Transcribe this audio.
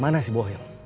mana si boh yang